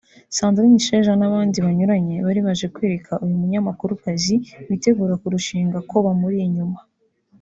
Sandrine Isheja n'abandi banyuranye bari baje kwereka uyu munyamakurukazi witegura kurushinga ko bamuri inyuma